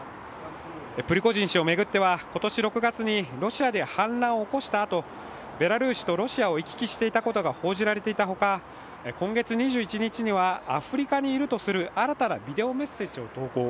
プリゴジン氏を巡っては今年６月にロシアで反乱を起こしたあとベラルーシとロシアを行き来していたことが報じられていたほか今月２１日にはアフリカにいるとする新たなビデオメッセージを投稿。